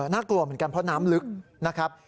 น่ากลัวเหมือนกันเพราะน้ำลึกนะครับ